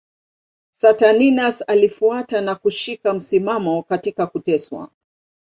Saturninus alifuata na kushika msimamo katika kuteswa.